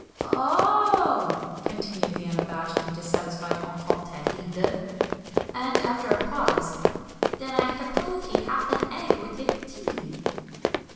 "Oh h h!" continued the unabashed and dissatisfied enfant terrible. And, after a pause, "then I thuppose he hath an egg with hith tea."